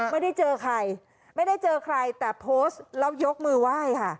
ไม่ได้เจอใครแต่โพสต์แล้วยกมือไหว้ค่ะ